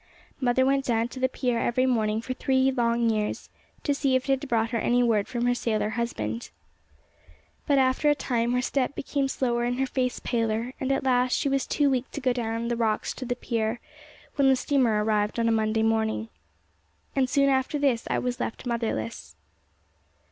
Mother went down to the pier every Monday morning for three long years, to see if it had brought her any word from her sailor husband. But after a time her step became slower and her face paler, and at last she was too weak to go down the rocks to the pier, when the steamer arrived on Monday morning. And soon after this I was left motherless.